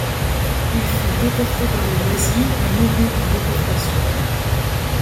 Il fut déporté par les Nazis et mouru en déportation.